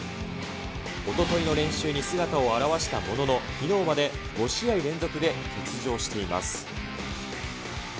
おとといの練習に姿を現したものの、きのうまで５試合連続で欠場しています。